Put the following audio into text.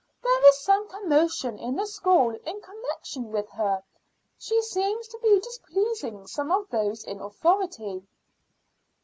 There is some commotion in the school in connection with her. She seems to be displeasing some of those in authority."